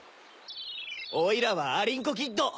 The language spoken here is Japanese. オイラはアリンコキッド。